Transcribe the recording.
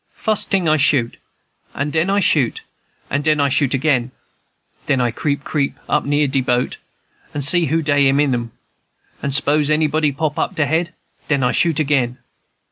"Fus' ting I shoot, and den I shoot, and den I shoot again. Den I creep creep up near de boat, and see who dey in 'em; and s'pose anybody pop up he head, den I shoot again.